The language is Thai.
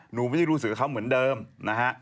หนูไม่ได้รู้สึกกับเขาเหมือนเดิมนะฮะ